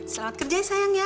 selamat kerja ya sayang ya